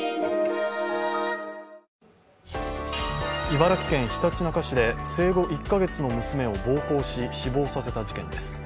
茨城県ひたちなか市で生後１カ月の娘を暴行し死亡させた事件です。